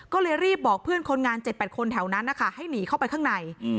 ก็เลยรีบบอกเพื่อนคนงาน๗๘คนแถวนั้นนะคะให้หนีเข้าไปข้างใน